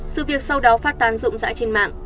sự việc sau đó phát tán rộng rãi trên mạng